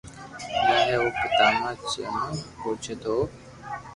جائي ھي او پتماتما جنو پوچي تو او